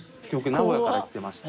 名古屋から来てまして。